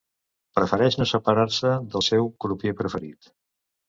Prefereix no separar-se del seu crupier preferit.